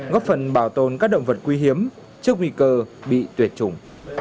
góp phần bảo tồn các động vật quý hiếm trước nguy cơ bị tuyệt chủng